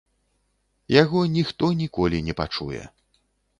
Яго ніхто ніколі не пачуе.